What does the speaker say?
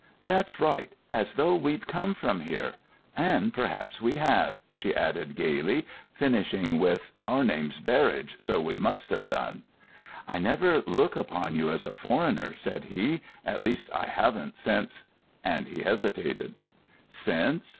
"That's right—as though we'd come from here. And perhaps we have," she added gaily, finishing with "Our name's Berridge, so we must have done." "I never look upon you as a foreigner," said he; "at least, I haven't since——" and he hesitated. "Since?"